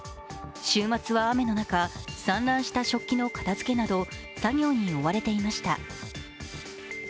週末は雨の中、散乱した食器の片付けなど作業に追われていました。